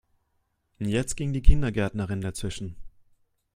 Jetzt ging die Kindergärtnerin dazwischen.